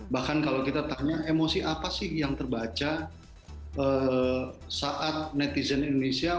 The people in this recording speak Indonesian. bahkan kalau kita tanya emosi apa sih yang terbaca saat netizen indonesia